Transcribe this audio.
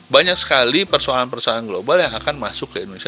banyak sekali persoalan persoalan global yang akan masuk ke indonesia